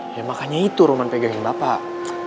ya makanya itu roman pegang bapak